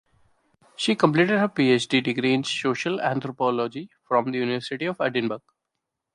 She completed her PhD degree in Social Anthropology from the University of Edinburgh.